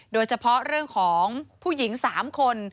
โดยเฉพาะเรื่องของผู้หญิง๓คน